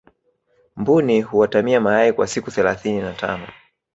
mbuni huatamia mayai kwa siku thelathini na tano